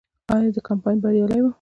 آیا دا کمپاین بریالی و؟